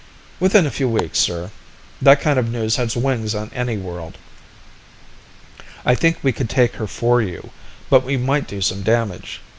"Within a few weeks, sir. That kind of news has wings on any world. I think we could take her for you, but we might do some damage.